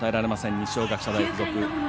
二松学舎大付属。